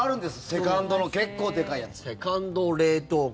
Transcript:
セカンドの結構でかいやつ。